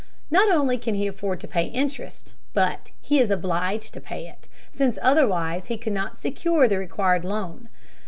Not only can he afford to pay interest, but he is obliged to pay it, since otherwise he could not secure the required loan.